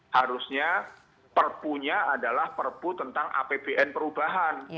harusnya perpunya adalah perpu tentang apbn perubahan